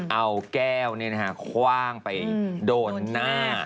เอาแก้วคว่างไปโดนหน้า